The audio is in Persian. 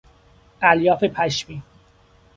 الیاف پشمی